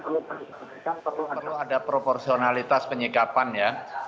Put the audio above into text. yang pertama perlu ada proporsionalitas penyikapan ya